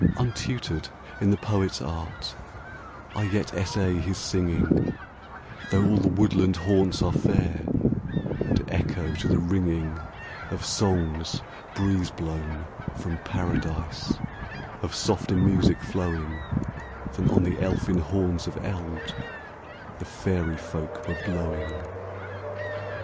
Untutored in the poet's art, I yet essay his singing ; Though all the woodland haunts are fair, And echo to the ringing Of songs, breeze blown from Paradise, Of softer music flowing Than on the elfin horns of eld The fairy folk were blowing.